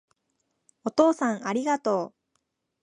お父さんありがとう